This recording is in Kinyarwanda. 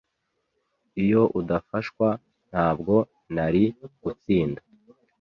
Iyo udafashwa, ntabwo nari gutsinda.